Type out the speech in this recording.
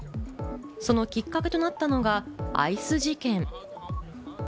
そのきっかけとなったのがアイス事件。